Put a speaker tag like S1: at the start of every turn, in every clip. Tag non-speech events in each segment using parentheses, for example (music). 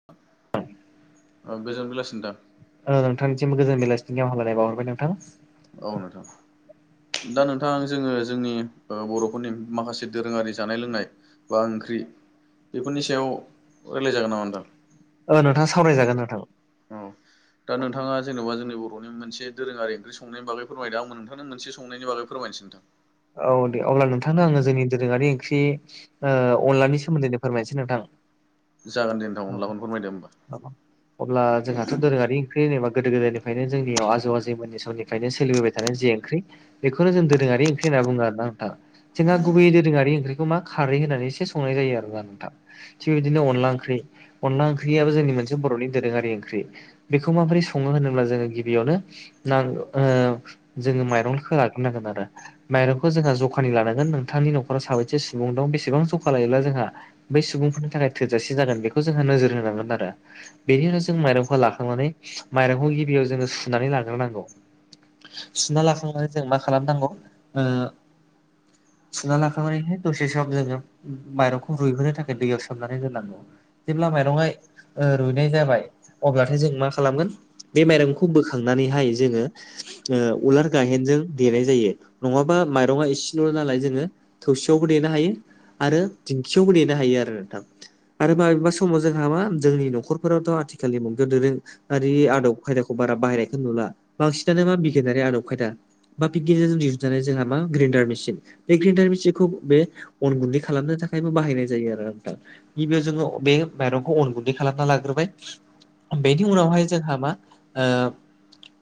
S1: (inaudible) ओ गोजोन बेलासि नोंथां
S2: ओ नोंथांनिसिम गोजोन बेलासिनि गाहाम माहालााय बावाहरबाय नोंथां।
S1: औ नोंथां दा नोंथां जोङो जोंनि ओ बर'फोरनि माखासे दोरोङारि जानाय लोंनाय बा ओंख्रि बेफोरनि सायाव रायलाय जागोन नामा नोंथां?
S2: ओ नोंथाङा सावरायजागोन नोंथां
S1: औ दा नोंथाङा जेन'बा जोंनि बर'नि मोनसे दोरोङारि ओंख्रि संनायनि बागै फोरमायदो नोंथांनो मोनसे संनायनि बागै फोरमायसै नोंथां।
S2: औ दे अब्ला नोंथांनो आङो जोंनि दोरोङारि ओंख्रि ओ अनलानि सोमोन्दैनो फोरमायनोसै नोंथां। औ
S1: जागोन दे नोंथां अनलाखौनो फोरमायद होमबा
S2: अब्ला जोंहाथ' दोरोङारि ओंख्रि होनबा गोदो गोदायनिफ्रायनो जोंनियाव आजौ आ जै मोननि समनिफ्रायनो सोलिबोबाय थानाय जे ओंख्रि बेखौ जों दोरोङारि ओंख्रि होनना बुङो आर ना नोंथां जोंहा गुबै दोरोङारि ओंख्रिखौ मा खारै होननानै एसे संनाय जायो आरोना नोंथां। थिग बिदिनो अनला ओंख्रि, अनला ओंख्रियाबो जोंनि मोनसे बर'नि दोरोङारि ओंख्रि बेखौ माबोरै सङो होनोब्ला जोङो गिबियावनो नां ओ जोङो माइरं खो नागोन आरो माइरंखौ जोंहा जखानि लानांगोन नोंथांनि न'खराव साबैसे सुबुं दं बेसेबां जखा लायोब्ला जोंहा बै सुबुंफोरनि थाखाय थोजासे जागोन बेखौ जों नोजोर होनांगोन आरो। बेनि उनाव जों माइरंखौ लाखांनानै माइरंखौ गिबियाव जोङो सुनानै लाग्रोनांगौ। सुना लाखांनानै जों मा खालामनांगौ ओ सुना लाखांनायनि दसे सम जोङो माइरंखौ रुइहोनो थाखाय दैयाव सोमनानै दोननांगौ। जेब्ला माइरंआ रुइनाय जाबाय अब्लाथाय जों मा खालामगोन बे माइरंखौ बोखांनानैहाय जोङो ओ उलार गायेनजों देनाय जायो नङाबा माइरङा इसेल'ल' नालाय जोङो थौसियावबो देनो हायो आरो दिंखियावबो नेनो हायो आरो नोंथां। आरो माबेबा समाव जोंहा मा जोंनि न'खरफोरावथ' आथिखालनि मुगायाव दोरों रि आदब खायदाखौ बारा बाहायेरनायखौ नुला बांसिनानो मा बिगियानारि आदब खायदा बा बि गेजेरजों जुजानाय जोंहा मा ग्रेन्डार मेसिन बे ग्रेन्डार मेसिनखौ बे अन गुन्दै खालामनो थाखायबो बाहायनाय जायो आरो ना नोंथां गिबियाव जोङो बे माइरंखौ अन गुन्दै खालामना लाग्रोबाय बेनि उनावहाय जोंहा मा ओ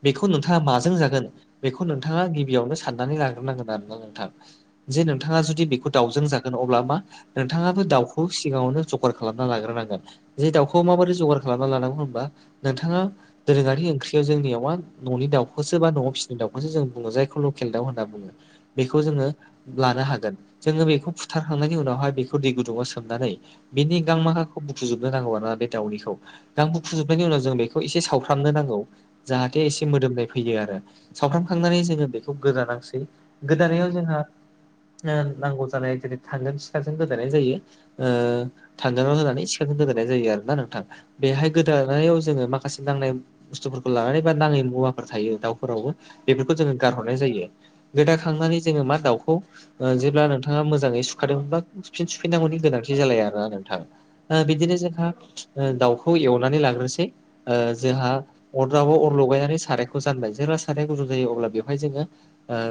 S2: बेखौ नोंथाङा माजों जागोन बेखौ नोंथाङा गिबियावनो साननानै लाग्रोनांगोन आरोना नोंथां जे नोंथाङा जुदि बेखौ दाउजों जागोन अब्ला मा नोंथाङाबो दाउखौ सिगाङावनो जगार खालामना लाग्रोनांगोन। जे दाउखौ माबोरै जगार खालामना लानांगौ होनबा नोंथाङा दोरोङारि ओंख्रियाव जोंनियावबा न'नि दाउखौसो बा न'आव फिसि दाउखौसो जों बुङो जायखौ लखेल दाउ होनना बुङो। बेखौ जोङो लानो हागोन जोङो बेखौ फुथारखांनायनि उनावहाय बेखौ दै गुदुङाव सोमनानै बेनि गां माखाखौ बुफुजोबनो नांगौ ना बे दाउनिखौ। गां बुखुजोबनायनि उनाव जों बेखौ खौ एसे सावफ्रामनो नांगौ जाहाथे एसे मोदोमनाय फैयो आरो। सावफ्रामखांनानै जोङो बेखौ गोदानांसै। गोदानायाव जोंहा ओ नांगौ जानाय जेरै थांगोन सिखाजों गोदानाय जायो। ओ थांगोनाव होननानै सिखाजों गोदानाय जायो आरो ना नोंथां। बेहाय गोदानायाव जोङो माखासे नांनाय बुस्थुफोरखौ लानानै बा नाङै मुवाफोर थायो दाउफोरावबो‌ बेफोरखौ जोङो गारहरनाय जायो। गोदाखांनानै जोङो मा दाउखौ ओ जेब्ला नोंथाङा मोजाङै सुखादोंबा फिन सुफिनांगौनि गोनांथि जालाया आरोना नोंथां। ओ बिदिनो जोंहा ओ दाउखौ एवनानै लाग्रोनोसै। ओ जोहा अरदाबाव अर लगायनानै सारायखौ जानबाय जेराव साराया गुदुं जायो अब्ला बेवहाय जोङो ओ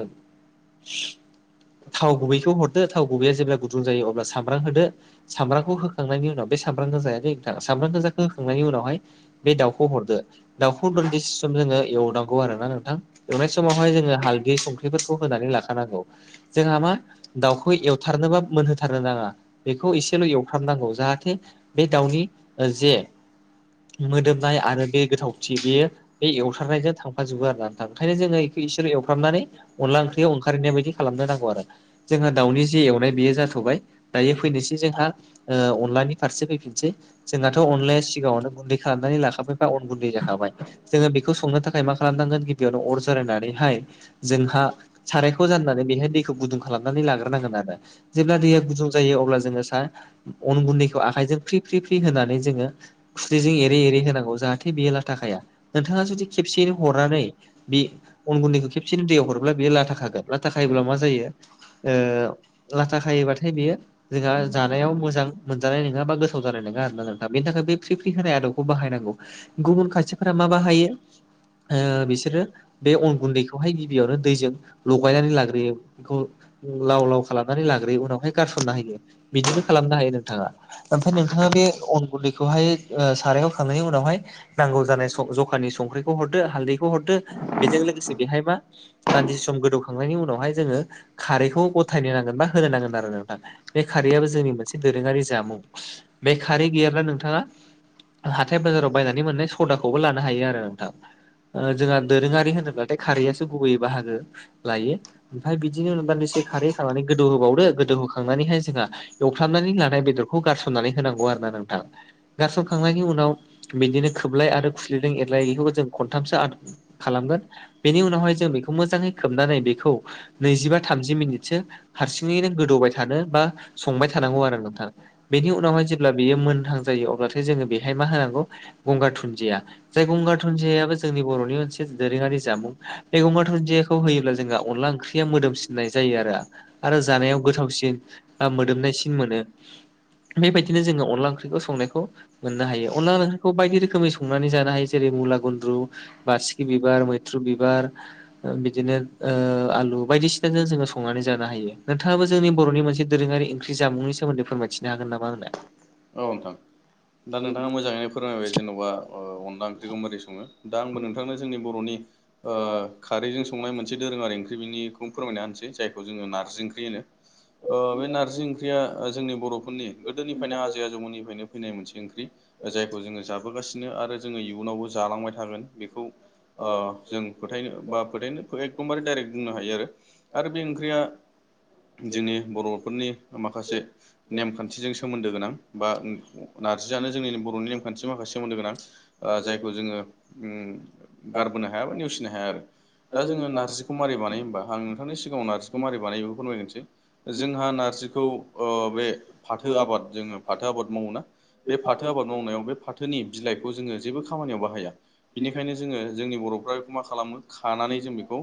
S2: थाव गुबैखौ हरदो थाव गुबैया जेब्ला गुदुं जायो अब्ला सामब्राम होदो। सामब्रामखौ होखांनायनि उनाव बे सामब्राम गोजायानो नोंथां सामब्राम गोजाखौ होखांनायनि उनावहाय बे दाउखौ हरदो दाउखौ दनदिसे सम जोङो एवनांगौ आरोना नों थां। एवनाय समावहाय जोङो हालदि संख्रिफोरखौ होनानै लाखानांगौ। जोंहा मा दाउखौ एवथारनोबा मोनहोथारनो नाङा बेखौ एसेल' एवफ्रामनांगौ जाहाथे बे दाउनि ओ जे मोदोमनाय आरो बे गोथावथि बेयो बे एवथारनायजो थांफाजोबो आरो नों थां ओंखायनो जोङो इखो इसेल' एवफ्रामनानै अनला ओंख्रियाव ओंखारहैनाय बायदि खालामनो नांगौ आरो। जोंहा दाउनि जे एवनाय बेयो जाथ'बाय दायो फैनोसै जोंहा ओ अनलानि फारसे फैफिनसै। जोंनाथ' अनलाया सिगाङावनो गुन्दै खालामनानै लाखाबायबा अन गुन्दै जाखाबाय जोङो बेखौ संनो थाखाय मा खालामनांगोन गिबियावनो अर जरायनानैहाय जोंहा सारायखौ जाननानै बेहाय दैखौ गुदुं खालामनानै लाग्रोनांगोन आरो। जेब्ला दैया गुदुं जायो अब्ला जोङो सा अन गुन्दैखौ आखाइजों फ्रि फ्रि फ्रि होनानै जोङो खुरिजों एरै एरै होनांगौ जाहाथे बेयो लाथा खाया नोंथाङा जुदि खेबसेयैनो हरनानै बे अन गुन्दैखौ खेबसेनो दैयाव हरोब्ला बेयो लाथा खागोन। लाथा खायोब्ला मा जायो ओ लाथा खायोबाथाय बियो जोंहा जानायाव मोजां मोनजानाय नोङा बा गोथाव जानाय नोङा आरो ना नोंथां। बेनि थाखाय बे फ्रि फ्रि होनाय आदबखौ बाहायनांगौ। गुबुन खायसेफोरा मा बाहायो ओ बिसोरो बे अन गुन्दैखौहाय गिबियावनो दैजों लगायनानै लाग्रोयो। बेखौ लाव-लाव खालामनानै लाग्रोयो उनावहाय गारसनना होयो। बिदिबो खालामनो हायो नोंथाङा ओमफाय नोंथाङा बे अन गुन्दैखौहाय ओ सारायाव होखांनायनि उनावहाय नांगौ जानाय सग जखानि संख्रिखौ हरदो हालदैखौ हरदो बेजों लोगोसे बेहाय मा दान्दिसे सम गोदौखांनायनि उनावहाय जोङो खारैखौ गथायनो नांगोन बा होनो नांगोन आरो नोंथां बे खारैयाबो जोंनि मोनसे दोरोङारि जामुं। बे खारै गैयाब्ला नोंथाङा हाथाइ बाजाराव बायनानै मोननाय सदाखौबो लानो हायो आरो नोंथां। ओ जोंहा दोरोङारि होनोब्लाथाय खारैयासो गुबैयै बाहागो लायो। ओमफाय बिदिनो दान्दिसे खारै होखांनानै गोदौहोबावदो गोदौ होखांनानैहाय जोंहा एवफ्रामनानै लानाय बेदरखौ गारसननानै होनांगौ आरो ना नोंथां। गारस'खांनायनि उनाव बिदिनो खोबलाय आरो खुस्लिदों एरलाय बेैखौबो जों खनथामसो आद खालामगोन बेनि उनावहाय जों बेखौ मोजाङै खोबनानै बेखौ नैजिबा थामजि मिनिटसो हारसिङैनो गोदौबाय थानो बा संबाय थानांगौ आरो नोंथां। बेनि उनावहाय जेब्ला बेयो मोनथां जायो अब्लाथायो जोङो बेहाय मा होनांगौ गंगार दुन्दिया जाय गंगार दुनदियाबो जोंनि बर'नि मोनसे दोरोङारि जामुं मैगं मा दुनदियाखौ होयोब्ला जोंहा अनला ओंख्रिया मोदोमसिननाय जायो आरो आरो जानायाव गोथावसिन बा मोदोमनायसिन मोनो। बेबायदिनो जोङो अनदला ओंख्रिखौ संनायखौ मोननो हायो अनला ओंख्रिखौ बायदि रोखोमै संनानै जानो हायो जेरै- मुला गुन्द्रु बा बिबार, मैत्र बिबार बिदिनो आलु बायदिसिनाजों जोङो संनानै जानो हायो। नोंथाङाबो जोंनि बर'नि मोनसे दोरोङारि ओंख्रि जामुंनि सोन्दै फोरमायथिनो हागोन नामा आंनो
S1: औ नोंथां दा नोंथाङा मोजां ङै फोरमायबाय जेन'बा अनला ओंख्रिखौ बोरै सङो दा आंबो नोंथांनो जोंनि बर'नि खारैजों संनाय मोनसे दोरों आरो ओंख्रि बिनि फोरमायना होनसै जायखौ जोङो नारजि ओंख्रि होनो। बे नारजि ओंख्रिया जोंनि बर'फोरनि गोदोनिफ्रायनो आजै आजौमोननिफ्रायनो फैनाय मोनसे ओंख्रि जायखौ जोङो जाबोगासिनो आरो जोङो इयुनावबो जालांबाय थागोन। बेखौ जों फोथायनो बा फोथायनो एकदमबारे डाइरेक्ट बुंनो हायो आरो। आरो बे ओंख्रिया जोंनि बर'फोरनि माखासे नेमखान्थिजों सोमोन्दो गोनां बा नारजिआनो जोंनि बर'नि नेमखान्थि माखासे सोमोन्दो गोनां जायखौ जोङो गारबोनो हाया बा नेवसिनो हाया आरो। दा जोङो नारजिखौ मारै बानायो होनबा आं नोंथांनि सिगाङाव नारजिखौ मै बानायनाय बेखौ फोरमायगोनसै। जोंहा नारजिखौ बे फाथो आबाद जोङो फाथो आबाद मावो ना बे फाथो आबाद मावनायाव बे फाथोनि बिलाइखौ जोङो जेबो खामानियाव बाहाया बिनिखायनो जोङो जोंनि बर'फ्रा बेखौ मा खालामो खानानै जों बेखौ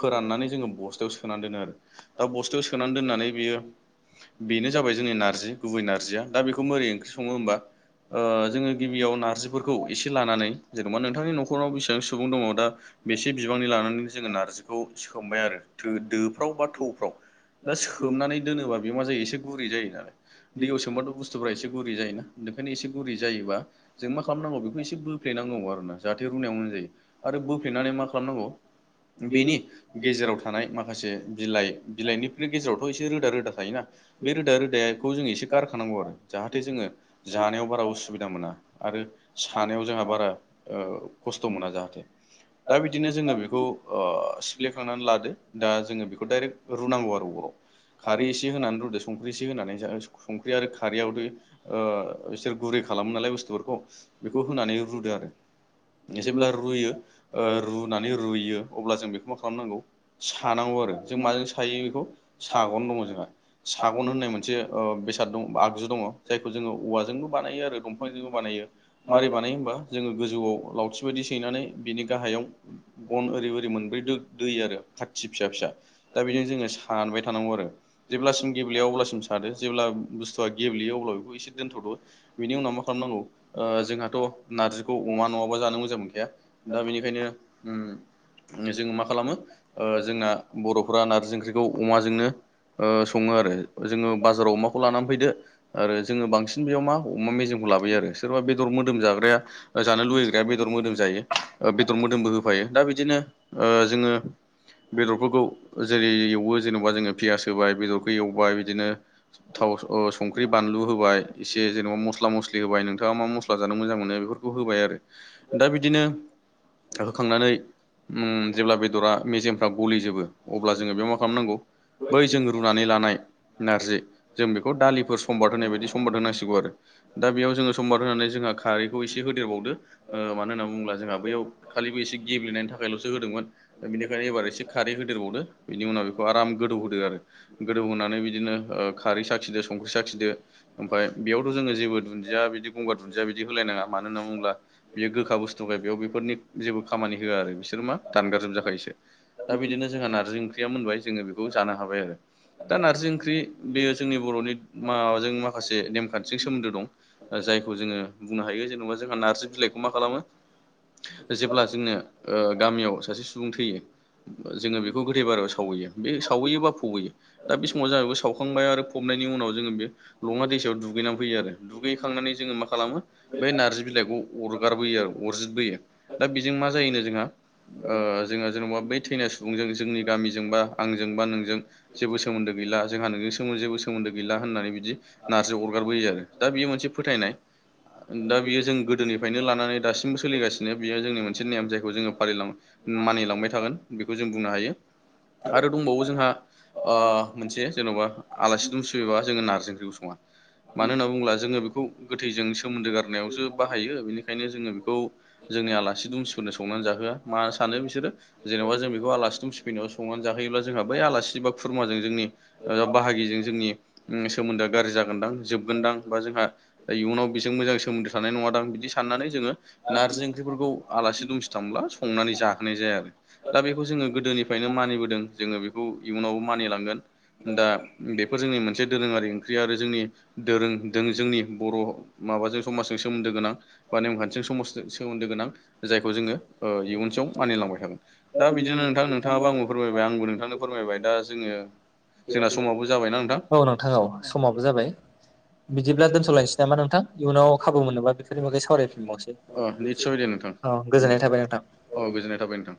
S1: फोराननानै जोङो बस्थायाव सोनानै दोनो आरो दा बस्थायाव सोनानै दोननानै बियो बेनो जाबाय जोंनि नारजि गुबै नारजिया दा बेखौ मोरै ओंख्रि सङो होमबा जोङो गिबियाव नारजिफोरखौ एसे लानानै जेने'बा नोंथांनि न'खराव बेसेबां सुबुं दङ दा बेसे बिबांनि लानानैनो जोङो नार्जिखौ सोमबाय आरो थो दोफ्राव बा थौफ्राव दा सोबनानै दोनोबा बे मा जायो एसे गुरै जायो नालाय दैयाव सोमबाथ' बुस्थुफ्रा एसे गुरि जायोना ओंखायनो एसे गुरि जायोबा जों मा खालामनांगौ बेखौ एसे बोफ्लेनांगौ आरोना जाहाथे रुनायाव जायो आरो बोफ्लेनानै मा खालामनांगौ बेनि गेजेराव थानाय माखासे बिलाइ बिलाइनिफ्राय गेजेरावथ' एसे रोदा रोदा थायोना बे रोदा रोदाखौ जों एसे गारखानांगौ आरो जाहाथे जोङो जानायाव बारा उसुबिदा मोना आरो सानायाव जोंहा बारा खस्थ' मोना जाहाथे दा बिदिनो जोङो बेखौ ओ सिफ्लेखांनानै लादो दा जोङो बेखौ दडाइरेक्ट रुनांगौ आरो अराव। खारै एसे होनानै रुदो संख्रि एसे होनानै संख्रि आरो खारैयावदो ओ बिसोर गुरै खालामो नालाय बुस्थुफोरखौ बेखौ होनानै रुदो आरो। जेब्ला रुयो ओ रुनानै रुयो अब्ला जों बेखौ मा खालामनांगौ सानांगौ आरो जों माजों सायो बेखौ सागनो दङ जोंहा। सागन होननाय मोनसे बेसाद दं आगजु दङ जायखौ जोङो औवाजोंबो बानायो आरो दंफांजोंबो बानायो। मारै बानायो होनोमबा जोङो गोजौआव लावथि बायदि सैनानै बिनि गाहायाव बन ओरै ओरै मोनब्रै दै आरो खाथि फिसा फिसा दा बेजों जोङो सानबाय थानांगौ आरो जेब्लासिम गेबेया अब्लासिम सादो जेब्ला बुस्थुआ गेब्लेयो अब्ला बेखौ एसे दोनथ'दो। बिनि उनाव मा खालामनांगौ जोंहाथ' नारजिखौ अमा नङाबा जानो मोजां मोनखाया दा बेनिखायनो जोङो मा खालामो जोंना बर'फोरा नारजि ओंख्रिखौ अमाजोंनो सङो आरो जोङो बाजाराव अमाखौ लानानै फैदो आरो जोङो बांसिन बेयाव मा अमा मेजेमखौ लाबोयो आरो सोरबा बेदर मोदोम जाग्राया जानो लुुबैग्राया बेदर मोदोम जायो बेदर मोदोमबो होफायो दा बिदिनो। ओ जोङो बेदरफोरखौ जेरै एवो जेनबा फियास होबाय बेदरखौ एवबाय बिदिनो थाव संख्रि बानलु होबाय एसे जेन'बा मस्ला मस्लि होबाय नोंथाङा मा मस्ला जानो मोजां मोनो बे खौ होबाय आरो दा बिदिनो। होखांनानै ओम जेब्ला बेदरआ मेजेमफ्रा गलिजोबो अब्ला जोङो बेयाव मा खालामनांगौ बै जोंङो रुनानै लानाय नारजि जों बेखौ दालिफोर समबाद होनाय बायदि सम्बाद होनांसिगौ आरो। दा बेयाव जोंङो समबाद जोंहा खारैखौ एस एसे होदेरबावदो ओ मानो होनना बुङोब्ला जोंहा बैयाव खारैखौ एसे गेबब्ले नायनि थाखायलसो होदोंमोन दा बेनिखायनो एबार एसे खारै होदेरबावदो बिनि उनाव बेखौ आराम गोदौ होदो आरो। गोदौ होनोनानै बिदिनो ओ खारै साखिदो संख्रि साखिदो ओमफ्राय बेयावथ' जोङो जेबो दुन्दिया बिदि गंगार दुन्दिया बिदि होलायनाङा। मानो होनना बुङोब्ला बेयो गोखा बुस्थुखाय बेयाव बेफोरनि जेबो खामानि होआ आरो बिसोर मा दानगारजोब जा खायो सो। दा बिदिनो जोंहा नारजि ओंख्रिया मोनबाय जोङो बेखौ जानो हाबाय आरो। दा नारजि ओंख्रि बेयो जोंनि बर'नि माबाजों माखासे नेमखान्थिजों सोमोन्दो दं। जायखौ जोङो बुंनो हायो जों जोहा नार्जारि बिलायखौ मा खालामो जेब्ला जों ओ गामियाव सासे सुबुं थैयो। जोङो बेखौ गोदै बारायाव सावहैयो बे सावहैयो बा फौैयो दा बे समाव जाहबो साव फुखांबाय आरो फबनायनि उनाव जोङो बे लङा दैसायाव दुगैनानै फैयो आरो दुगैखांनानै जोङो मा खालामो। बे नार्जि बिलाइखौ अरगारबोयो आरो अरजदबोयो दा बेजों मा जायोनो जोंहा। ओ जोंहा जेनेबा बै थैनाय सुबुंजों जोंनि गामिजों बा आंजों बा नोंजों। जेबो सोमोन्दो गैला जोंहा नोंनि समाव जेबो सोमोन्दो गैला होननानै बिदि नार्जि अरगारबोयो आरो दा बेयो मोनसे फोथायनाय। दा बियो जों गोदोनिफ्रायनो लानानै दासिमबो सोलिगासिनो बियो जोंनि मोनसे नेम जायखौ जोङो फालिलाङो मानिलांबाय थागोन बेखौ जों बुंनो हायो आरो दंबावो जोंहा। ओ मोनसे जेन'बा आलासि दुम सयोबा जोङो नारजि ओंख्रिखौ सङा। मानो होनना बुङोब्ला जोङो बेखौ गोथैजों सोमोन्दो गारनायावसो बाहायो। बेनिखायनो जोङो बेखौ जोंनि आलासि दुमसिफोरनो संनानै जाहोआ मा सानो बिसोरो जेनेबा जों बेखौ आलासि दं फिफैनायाव संनानै जाहैयोब्ला जोंहा बै आलासि बा खुरमाजों जोंनि बाहागिजों जोंनि सोमोन्दोआ गाज्रि जागोनदां जोबगोनदां बा जोंहा इयुनाव जों मोजां सोमोन्दो थानाय नंङा दां बिदि साननानै जोंङो नार्जि ओंख्रिफोरखौ आलासि दुमसि थांब्ला स संनानै जाखोनाय जाया आरो। दा बेखौ जोङो गोदोनिफ्रायनो मानिबोदों जोङो बेखौ इयुनावबो मानिलांगोन। दा बेफोर जोंनि मोनसे दोरोङारि ओंख्रि आरो जोंनि दोरों जोंनि बर' माबाजों समाजजों सोमोन्दो गोनां बा नेमखान्थिजों समाजजों सोमोन्दो गोनां जायखौ जोङो। इयुनसेयाव मानिलांबाय थागोन दा बिदिनो नोंथां नोंथाङाबो आंबो फोरमायबाय आंबो नोंथांनो फोरमायबाय दा जोङो। जोंना समाबो जाबायना नोंथां
S2: औ नोंथां औ समाबो जाबाय। बिदिब्ला दोनथ'लायनोसै नामा नोंथां, इयुनाव खाबु मोनोबा बेफोरनिागै सावरायफिनबावनोसै।
S1: अ निस्सय दे नोंथां
S2: औ गोजोननाय थाबाय नोंथां।
S1: औ गोजोननाय थाबाय नोंथां।